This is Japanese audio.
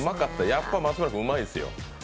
やっぱ松村君、うまいですよ。